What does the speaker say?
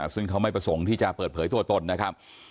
ซึ่งเขาไม่ประสงค์ที่จะเปิดเผยตัวตนนะครับ